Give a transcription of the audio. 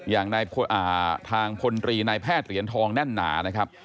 อย่างทางพลตรีนายแพทย์เหรียญทองแน่นหนานะครับ